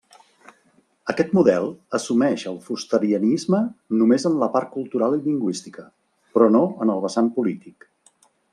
Aquest model assumeix el fusterianisme només en la part cultural i lingüística, però no en el vessant polític.